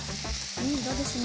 いい色ですね。